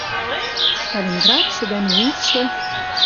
Сталинградшы дӓ Миусшы